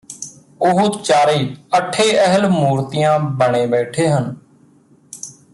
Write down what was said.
ਉਹ ਚਾਰੇ ਅੱਠੇ ਅਹਿਲ ਮੂਰਤੀਆਂ ਬਣੇ ਬੈਠੇ ਹਨ